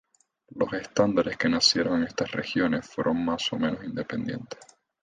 Los estándares que nacieron en estas regiones fueron más o menos independientes.